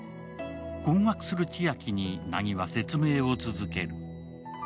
困惑する千晶に凪は説明を続ける。